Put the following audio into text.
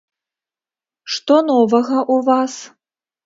Што новага ў вас?